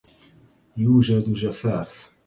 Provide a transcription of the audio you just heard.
يوجد جفاف.